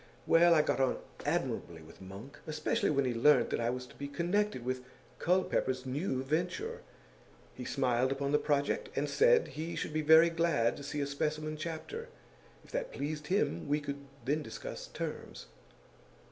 Well, I got on admirably with Monk, especially when he learnt that I was to be connected with Culpepper's new venture; he smiled upon the project, and said he should be very glad to see a specimen chapter; if that pleased him, we could then discuss terms.